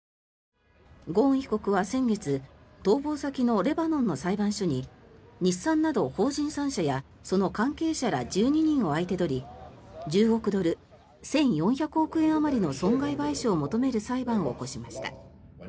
ゴーン被告は先月逃亡先のレバノンの裁判所に日産など法人３社やその関係者ら１２人を相手取り１０億ドル１４００億円あまりの損害賠償を求める裁判を起こしました。